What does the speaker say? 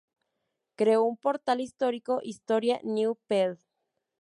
Creó un portal histórico historia-news.pl.